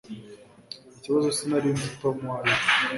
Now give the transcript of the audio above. Ikibazo sinari nzi Tom uwo ari we